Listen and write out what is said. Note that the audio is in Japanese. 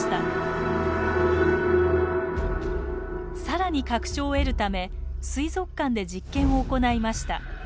さらに確証を得るため水族館で実験を行いました。